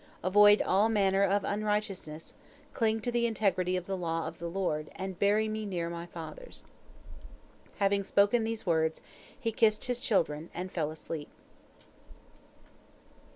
Avoid all manner of unrighteousness, cling to the integrity of the law of the Lord, and bury me near my fathers." Having spoken these words, he kissed his children, and fell asleep.